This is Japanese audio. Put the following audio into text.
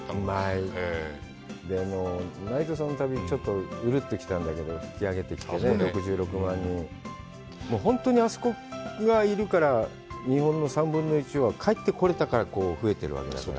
でも、内藤さんの旅、ちょっとウルッと来たんだけど、引き揚げてきて、６６万人、本当にあそこがいるから日本の３分の１は帰ってこれたから増えてるわけだから。